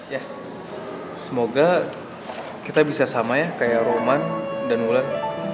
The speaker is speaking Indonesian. yes semoga kita bisa sama ya kayak roman dan wulan